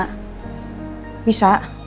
aku mau nitipin askarah sama mas al